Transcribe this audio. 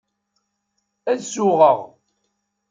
Ad suɣeɣ.